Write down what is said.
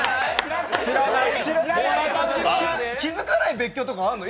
気づかない別居とかあんの？